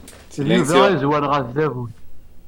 D Yuba ay yezwaren ɣer tdabut.